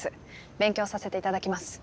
勉強させていただきます。